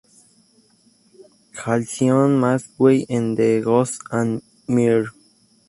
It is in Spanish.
Halcyon Maxwell en "The Ghost and Mr.